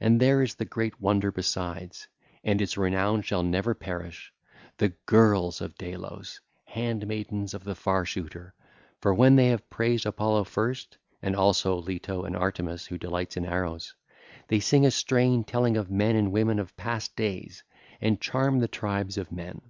And there is this great wonder besides—and its renown shall never perish—the girls of Delos, hand maidens of the Far shooter; for when they have praised Apollo first, and also Leto and Artemis who delights in arrows, they sing a strain telling of men and women of past days, and charm the tribes of men.